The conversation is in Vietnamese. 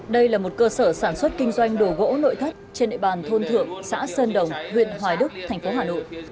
đây là một cơ sở sản xuất kinh doanh đồ gỗ nội thất trên địa bàn thôn thượng xã sơn đồng huyện hoài đức thành phố hà nội